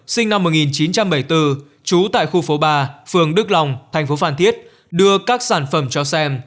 sinh năm một nghìn chín trăm bảy mươi bốn trú tại khu phố ba phường đức long thành phố phan thiết đưa các sản phẩm cho xem